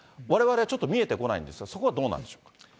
われわれ、ちょっと見えてこないんですが、そこはどうなんでしょう。